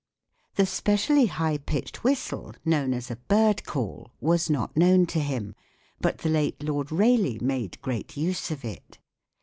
The specially high pitched whistle, known as a "bird call," was not known to him, but the late Lord Rayleigh made great use ^^__^__ of it.